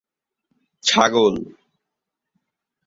এরপর কোন সিরিজে তাকে নিউজিল্যান্ড দলে রাখা হয়নি।